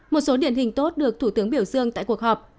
một số điển hình tốt được thủ tướng biểu dương tại cuộc họp